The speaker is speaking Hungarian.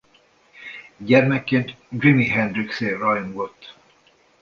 Gyermekként Jimi Hendrixért rajongott.